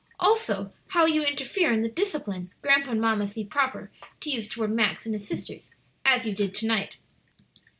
Also how you interfere in the discipline grandpa and mamma see proper to use toward Max and his sisters, as you did to night."